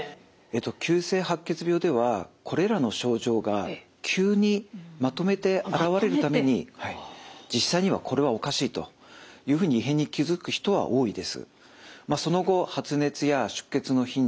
急性白血病ではこれらの症状が急にまとめて現れるために実際にはこれはおかしいというふうに異変に気付く人は多いです。